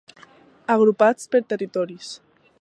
Agrupats per territoris.